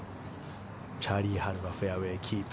チャーリー・ハルはフェアウェーキープ。